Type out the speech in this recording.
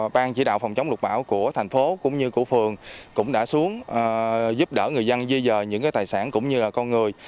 ban chỉ đạo phòng chống lục bão của thành phố cũng như của phường cũng đã xuống giúp đỡ người dân di dời những tài sản cũng như là con người